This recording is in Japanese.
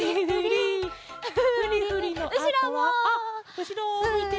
うしろをむいて。